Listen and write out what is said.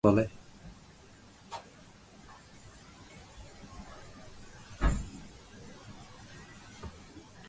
সে কী কখনো আমাকে বলে!